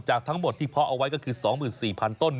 ทั้งหมดที่เพาะเอาไว้ก็คือ๒๔๐๐ต้น